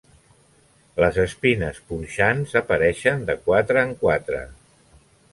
Les espines punxants apareixen de quatre en quatre.